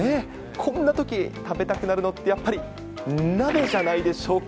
こんなとき、食べたくなるのって、やっぱり鍋じゃないでしょうか。